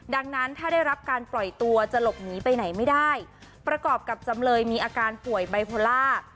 ดังนั้นถ้าได้รับการปล่อยตัวจะหลบหนีไปไหนไม่ได้ประกอบกับจำเลยมีอาการป่วยไบโพล่า